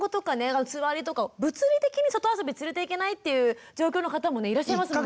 つわりとか物理的に外遊び連れて行けないっていう状況の方もいらっしゃいますもんね。